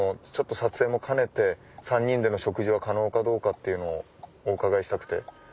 撮影も兼ねて３人での食事は可能かどうかっていうのをお伺いしたくて。